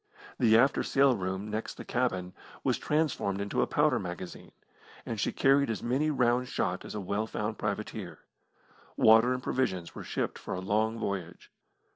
The after sailroom next the cabin was transformed into a powder magazine, and she carried as many round shot as a well found privateer. Water and provisions were shipped for a long voyage.